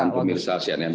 dan pemirsa cnn